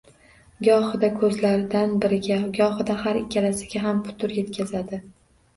Gohida ko‘zlardan biriga, gohida har ikkalasiga ham putur yetkazadi